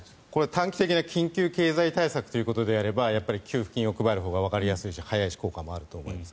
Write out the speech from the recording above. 短期的な緊急経済対策ということであれば給付金を配るほうがわかりやすいし早いし効果もあると思います。